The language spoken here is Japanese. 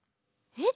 えっ！？